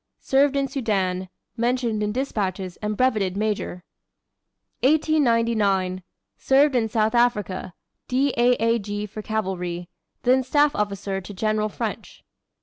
Served in Soudan, mentioned in despatches, and brevetted major. 1899. Served in South Africa. D. A. A. G. for cavalry; then staff officer to General French.